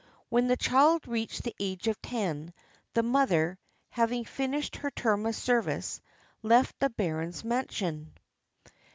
When the child reached the age of ten, the mother, hav ing finished her term of service, left the baron's mansion.